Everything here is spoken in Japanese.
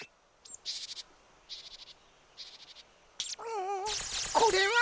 うんこれは。